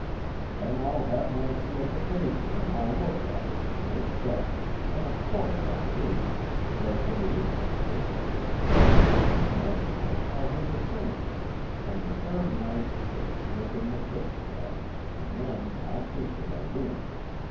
Then I'll have my slip of paper an' I'll look at it, an' make bets, an' of course I'll lose 'cause they ain't no system. An' the next night I'll do the same an' the third night we'll slip in the fixed deck an' then my system'll win.